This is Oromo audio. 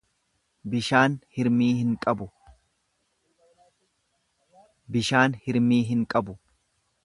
Bishaan hirmii hin qabu.